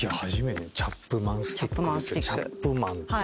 チャップマンって？